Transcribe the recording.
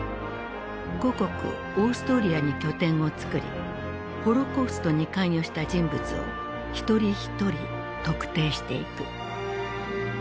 故国オーストリアに拠点を作りホロコーストに関与した人物を一人一人特定していく。